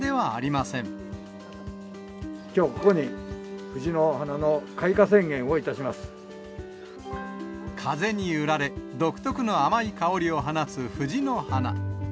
きょうここに、風に揺られ、独特の甘い香りを放つフジの花。